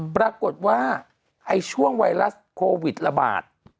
ปรากฏว่าไอ้ช่วงไวรัสโควิดระบาด